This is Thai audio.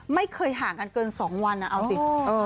ไม่เคยห่างกันเกิน๒วันเอาสิ